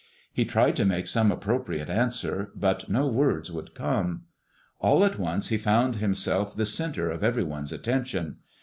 He tried to make some appropriate answer, but no words would come. All at once he found himself the center of everyone's attention.